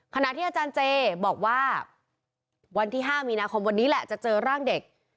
ขณะที่อาจารย์เจบอกว่าวันที่๕มีนาคมวันนี้แหละจะเจอร่างเด็ก